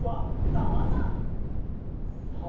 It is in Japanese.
サバンナ？